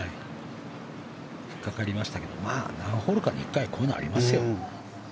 引っかかりましたけど何ホールかに１回はこうなりますよ。